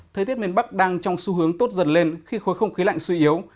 thời tiết miền bắc đang trong xu hướng tốt dần lên khi khối không khí lạnh suy yếu